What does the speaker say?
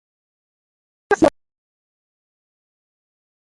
இந்தியப் படை வலிமை வாய்ந்த படை.